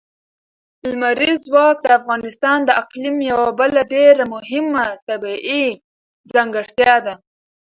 لمریز ځواک د افغانستان د اقلیم یوه بله ډېره مهمه طبیعي ځانګړتیا ده.